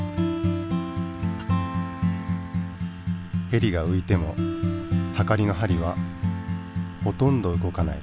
ヘリがういてもはかりの針はほとんど動かない。